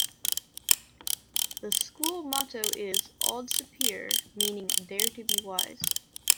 The school motto is 'Aude Sapere', meaning 'dare to be wise'.